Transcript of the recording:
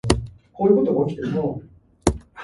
However this similarity is limited to appearance.